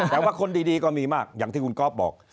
แต่ว่าคนดีก็มีมากอย่างที่คุณก๊อฟบอก